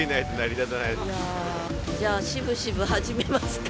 じゃあしぶしぶ始めますか。